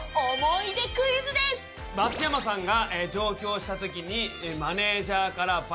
松山さんが。